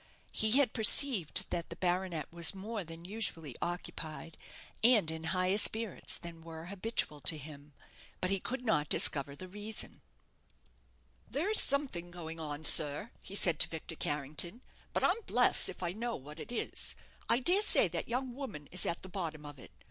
He had perceived that the baronet was more than usually occupied, and in higher spirits than were habitual to him; but he could not discover the reason. "There's something going on, sir," he said to Victor Carrington; "but I'm blest if I know what it is. I dare say that young woman is at the bottom of it.